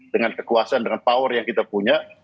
dengan kekuasaan dengan power yang kita punya